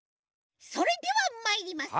それではまいります！